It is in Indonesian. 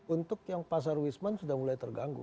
untuk yang pasar wisman sudah mulai terganggu